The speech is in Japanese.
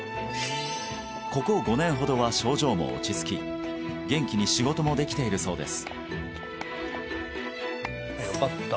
ここ５年ほどは症状も落ち着き元気に仕事もできているそうです